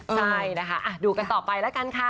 ใช่นะคะดูกันต่อไปแล้วกันค่ะ